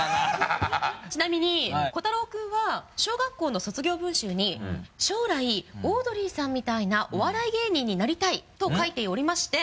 ちなみに湖太郎君は小学校の卒業文集に「将来オードリーさんみたいなお笑い芸人になりたい」と書いておりまして。